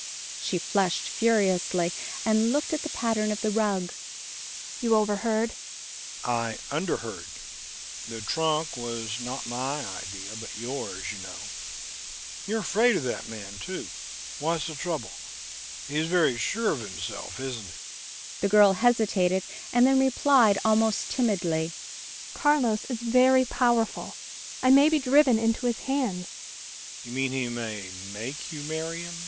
She flushed furiously, and looked at the pattern of the rug. "You overheard?" "I underheard. The trunk was not my idea but yours, you know.... You're afraid of that man, too. What's the trouble? He's very sure of himself, isn't he?" The girl hesitated, and then replied almost timidly: "Carlos is very powerful.... I may be driven into his hands."